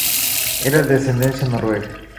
Era de ascendencia noruega.